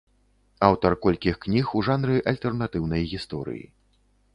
Аўтар колькіх кніг у жанры альтэрнатыўнай гісторыі.